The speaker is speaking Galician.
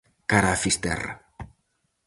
Cara a Fisterra.